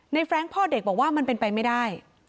แฟรงค์พ่อเด็กบอกว่ามันเป็นไปไม่ได้